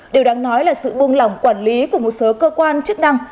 điều đáng nói là sự buông lỏng quản lý của một số cơ quan chức năng